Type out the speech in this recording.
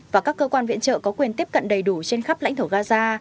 và các cơ quan viện trợ có quyền tiếp cận đầy đủ trên khắp lãnh thổ gaza